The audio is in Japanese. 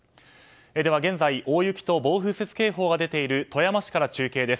では、現在大雪と暴風雪警報が出ている富山市から中継です。